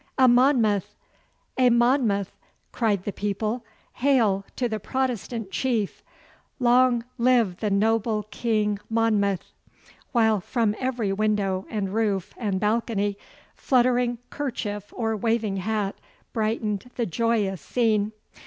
'A Monmouth! A Monmouth!' cried the people; 'Hail to the Protestant chief!' 'Long live the noble King Monmouth!' while from every window, and roof, and balcony fluttering kerchief or waving hat brightened the joyous scene.